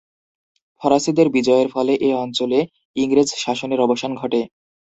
ফরাসিদের বিজয়ের ফলে এ অঞ্চলে ইংরেজ শাসনের অবসান ঘটে।